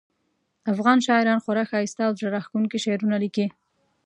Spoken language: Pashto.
افغان شاعران خورا ښایسته او زړه راښکونکي شعرونه لیکي